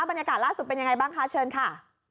บรรยากาศล่าสุดเป็นยังไงบ้างคะเชิญค่ะ